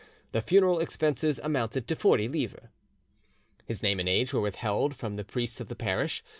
The funeral expenses amounted to 40 livres." His name and age were withheld from the priests of the parish.